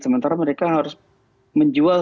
sementara mereka harus menjual